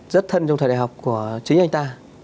rất thân trong thời đại học của chính anh ta